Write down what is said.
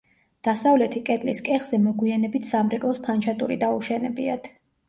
დასავლეთი კედლის კეხზე მოგვიანებით სამრეკლოს ფანჩატური დაუშენებიათ.